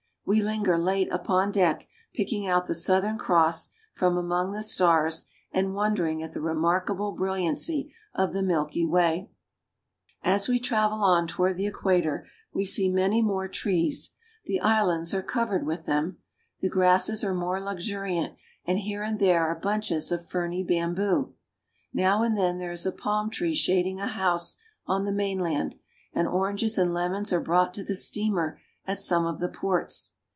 We linger late upon deck, picking out the South ern Cross from among the stars, and wondering at the remarkable brilliancy of the Milky Way. Corrientes. As we travel on toward the equator we see many more trees ; the islands are covered with them. The grasses are more luxuriant, and here and there are bunches of ferny bamboo. Now and then there is a palm tree shading a house on the mainland, and oranges and lemons are 2l6 URUGUAY. brought to the steamer at some of the ports.